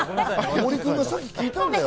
森君がさっき聞いたんだよ。